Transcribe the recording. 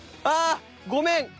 ああごめん！